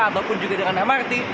ataupun juga dengan mrt